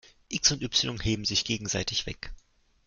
x und y heben sich gegenseitig weg.